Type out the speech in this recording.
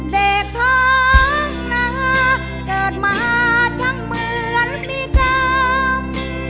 เด็กท้องนาเกิดมาช่างเหมือนมีกรรม